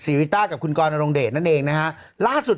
สีวิต้ากับคุณกรนิดหนึ่งดีกว่านะครับแฟนแห่เชียร์หลังเห็นภาพ